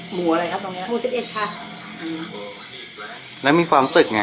หมู่อะไรครับตรงเนี้ยหมู่สิบเอ็ดค่ะ